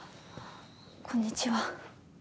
こんにちは。